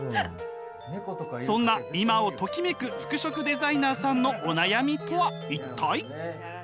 そんな今をときめく服飾デザイナーさんのお悩みとは一体？